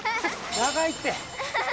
長いって。